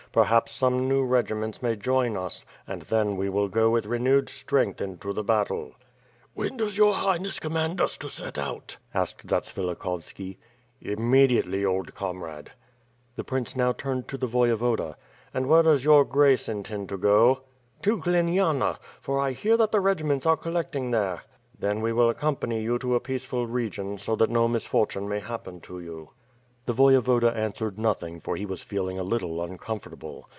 Perhaps some new regiments may join us, and then we will go with renewed strength into the battle." "When does your Highness command us to set out?" asked Zatsvilikhovski. "Immediately, old comrade!" The prince now turned to the Voyevoda. "And where does your Grace intend to goP' 356 WITH PIRJS AND SWORD. "To Gliniana, for I hear that the regiments are collecting there." "Then we will accompany you to a peaceful region so that no misfortune may happen to you." • The Voyevoda answered nothing for he was feeling a little uncomfortable.